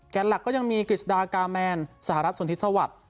แก๊สหลักก็ยังมีกฤษดากาแมนสหรัฐสนทิศวรรษ